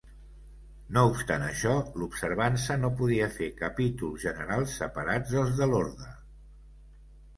No obstant això, l'Observança no podia fer capítols generals separats dels de l'orde.